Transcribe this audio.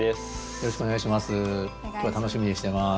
よろしくお願いします。